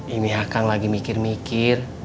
ini hakang lagi mikir mikir